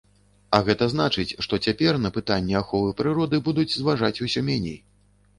А гэта значыць, што цяпер на пытанні аховы прыроды будуць зважаць усё меней.